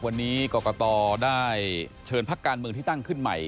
วันนี้กรกตได้เชิญพักการเมืองที่ตั้งขึ้นใหม่